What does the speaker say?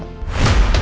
dua hari kemudian